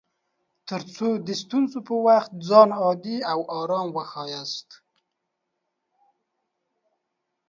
تر څو د ستونزو پر وخت ځان عادي او ارام وښياست